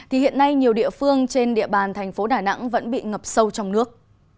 thì hiện nay nhiều địa phương trên địa bàn thành phố đà nẵng vẫn bị ngập sâu trong nước